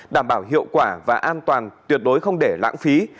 đảm bảo hiệu quả và an toàn tuyệt đối không để lãng phí